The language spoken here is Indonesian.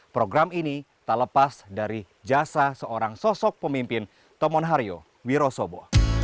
program ini tak lepas dari jasa seorang sosok pemimpin tomonhario wiro sobo